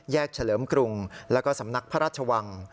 เฉลิมกรุงแล้วก็สำนักพระราชวัง